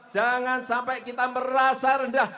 jangan sampai kita merasa rendah